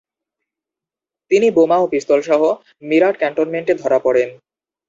তিনি বোমা ও পিস্তলসহ মীরাট ক্যান্টনমেন্টে ধরা পড়েন।